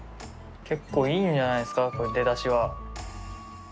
結構いいんじゃないですかこれ出だしは。